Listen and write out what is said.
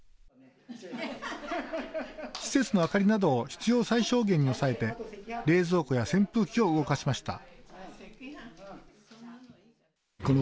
施設の明かりなどを必要最小限に抑えて冷蔵庫や扇風機を動かしました。